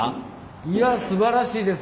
いやすばらしいです。